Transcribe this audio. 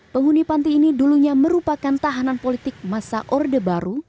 penghuni panti ini dulunya merupakan tahanan politik masa orde baru